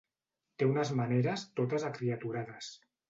Té unes maneres totes acriaturades.